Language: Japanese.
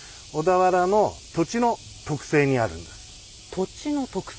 土地の特性？